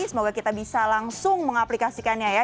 semoga kita bisa langsung mengaplikasikannya ya